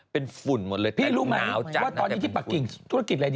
เป็นฝุ่นหมดเลยแต่หนาวจังแต่มืดมืด